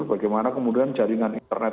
bagaimana kemudian jaringan internet